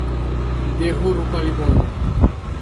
দেহ রূপালী বর্ণের।